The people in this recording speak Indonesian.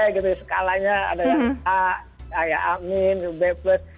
masih nilai gitu skalanya ada yang a a ya amin b plus